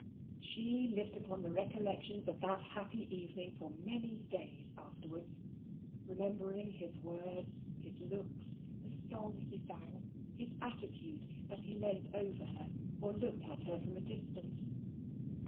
She lived upon the recollections of that happy evening for many days afterwards, remembering his words; his looks; the song he sang; his attitude, as he leant over her or looked at her from a distance.